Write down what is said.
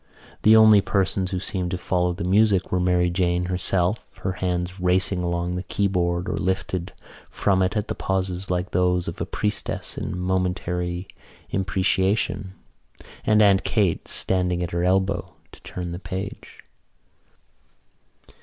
The only persons who seemed to follow the music were Mary Jane herself, her hands racing along the keyboard or lifted from it at the pauses like those of a priestess in momentary imprecation, and Aunt Kate standing at her elbow to turn the page.